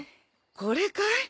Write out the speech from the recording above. これかい？